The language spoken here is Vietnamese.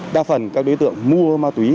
đa phần các đối tượng mua ma túy